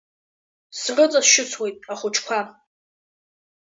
Срыҵашьыцуеит ахәыҷқәа…